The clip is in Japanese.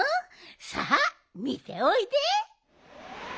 さあみておいで。